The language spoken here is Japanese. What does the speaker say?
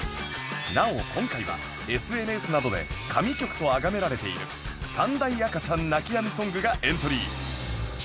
なお今回は ＳＮＳ などで神曲とあがめられている三大赤ちゃん泣き止みソングがエントリー